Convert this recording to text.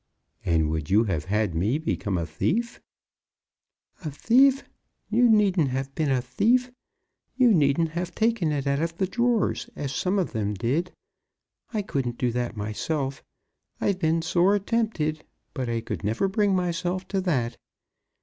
"And would you have had me become a thief?" "A thief! You needn't have been a thief. You needn't have taken it out of the drawers as some of them did. I couldn't do that myself. I've been sore tempted, but I could never bring myself to that."